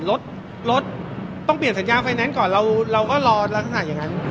รถรถต้องเปลี่ยนสัญญาไฟแนนซ์ก่อนเราก็รอลักษณะอย่างนั้น